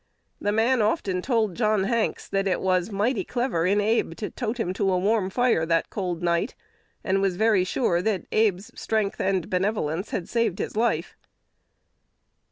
The man often told John Hanks, that it was mighty "clever in Abe to tote him to a warm fire that cold night," and was very sure that Abe's strength and benevolence had saved his life.